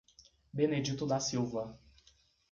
Benedito da Silva